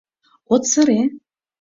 — От сыре?